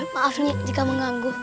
maaf nyai jika mengganggu